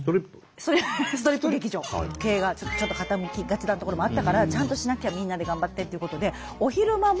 経営がちょっと傾きがちなところもあったからちゃんとしなきゃみんなで頑張ってっていうことで。